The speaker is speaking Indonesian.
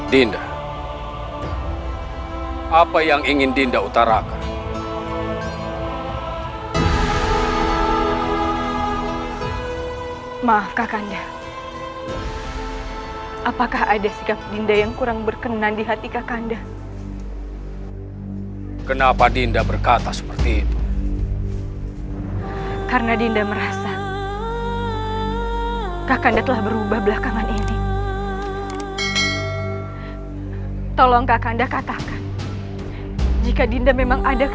kenapa rado kau heran aku bukanlah argadana yang dulu latih rado dan aku yakin kau hanyalah butiran debu